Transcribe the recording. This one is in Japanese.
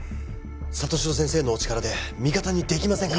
里城先生のお力で味方にできませんか？